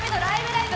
ライブ！」